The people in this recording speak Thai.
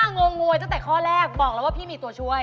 งงงวยตั้งแต่ข้อแรกบอกแล้วว่าพี่มีตัวช่วย